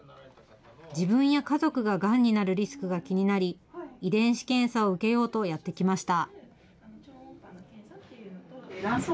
自分や家族ががんになるリスクが気になり、遺伝子検査を受けようとやって来ました。